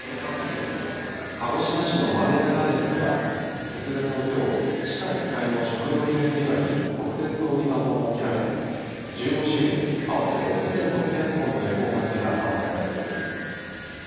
鹿児島市のマルヤガーデンズでは節分のきょう地下１階の食料品売り場に特設の売り場も設けられ１５種類合わせて２６００本の恵方巻きが販売されています。